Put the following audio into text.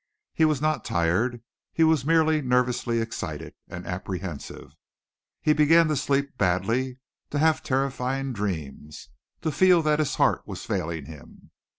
He was not tired. He was merely nervously excited and apprehensive. He began to sleep badly, to have terrifying dreams, to feel that his heart was failing him.